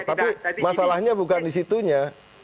tapi masalahnya bukan disitunya